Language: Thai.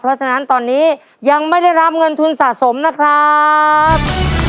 เพราะฉะนั้นตอนนี้ยังไม่ได้รับเงินทุนสะสมนะครับ